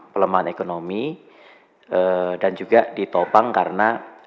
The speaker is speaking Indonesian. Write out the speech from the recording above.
pelemahan ekonomi dan juga ditopang karena